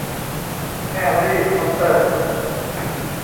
แฮร์รี่ พอตเตอร์